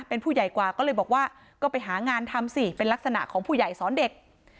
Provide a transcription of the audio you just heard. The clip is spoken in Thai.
เป็นผู้ใหญ่กว่าก็เลยบอกว่าก็ไปหางานทำสิเป็นลักษณะของผู้ใหญ่สอนเด็ก